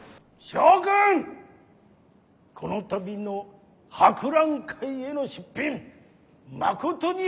諸君この度の博覧会への出品まことにありがたく存ずる。